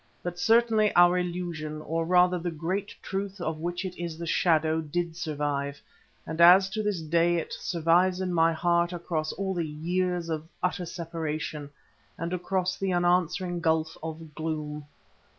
But certainly our illusion, or rather the great truth of which it is the shadow, did survive, as to this day it survives in my heart across all the years of utter separation, and across the unanswering gulf of gloom.